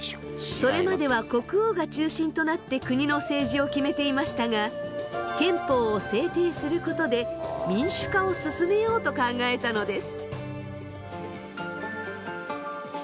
それまでは国王が中心となって国の政治を決めていましたが憲法を制定することで民主化を進めようと考えたのです。